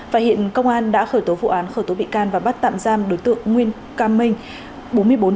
và hiện công an đã khởi tố vụ án khởi tố bị can và bắt tạm giam đối tượng nguyên cam minh